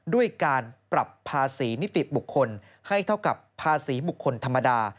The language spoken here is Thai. ด้วยการปรับภาษีนิติบุคคลให้เท่ากับภาษีบุคคลธรรมดา